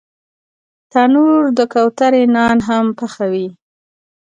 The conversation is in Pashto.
تنور د کوترې نان هم پخوي